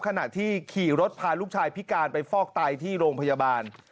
ขณะที่ขี่รถพาลูกชายพิการไปฟอกไตที่โรงพยาบาล